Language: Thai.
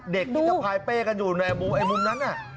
เด็กที่สะพายเป้กันอยู่ในมุมนั้นน่ะ